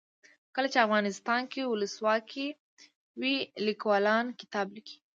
کله چې افغانستان کې ولسواکي وي لیکوالان کتاب لیکي.